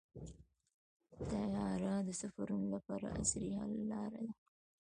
طیاره د سفرونو لپاره عصري حل لاره ده.